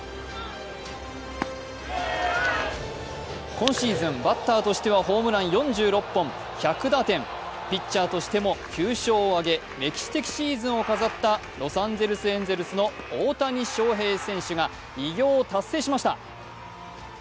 今シーズンバッターとしてはホームラン４６本、１００打点、ピッチャーとしても９勝を挙げ歴史的シーズンを飾ったロサンゼルス・エンゼルスの大谷翔平選手が偉業を達成しました。